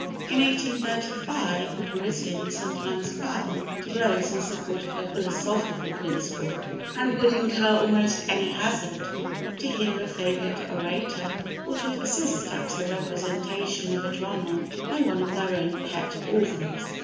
In 1835 the Parisians sometimes fell to blows in support of a philosophical principle, and would incur almost any hazard to hear a favourite orator or to "assist" at the representation of a drama by one of their own pet authors.